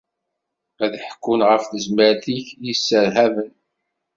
Ad ḥekkun ɣef tezmert-ik yesserhaben.